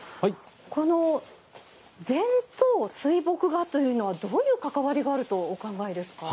この禅と水墨画というのはどういう関わりがあるとお考えですか？